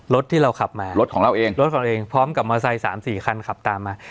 รถที่เราขับมารถของเราเองรถของเราเองพร้อมกับมอไซค์สามสี่คันขับตามมา